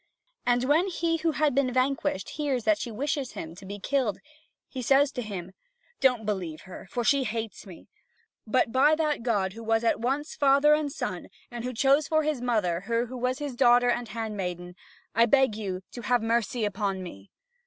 And when he who had been vanquished hears that she wishes him to be killed, he says to him: "Don't believe her, for she hates me; but by that God who was at once Father and Son, and who chose for His mother her who was His daughter and handmaiden, I beg you to have mercy upon me!"